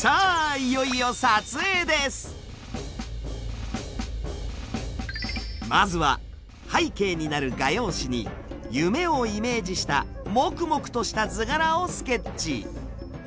いよいよまずは背景になる画用紙に夢をイメージしたモクモクとした図柄をスケッチ。